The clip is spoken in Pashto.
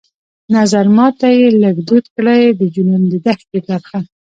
نظرمات ته يې لږ دود کړى د جنون د دښتي ترخه